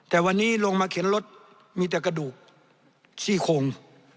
แต่วันนี้ลงมาเข็นรถมีแต่กระดูกซี่โคง